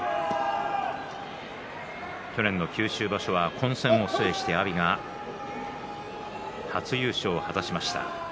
去年の九州場所は混戦を制して阿炎は初優勝を果たしました。